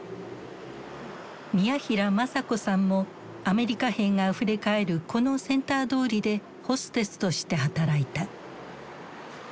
宮平昌子さんもアメリカ兵があふれかえるこのセンター通りでホステスとして働いた。